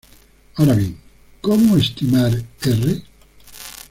Ahora bien, ¿cómo estimar "r"?